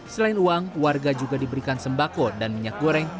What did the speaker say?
selain uang warga juga diberikan sembako dan minyak goreng